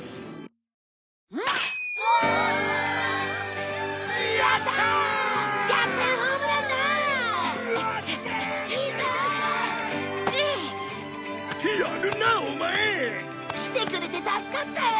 オマエ。来てくれて助かったよ。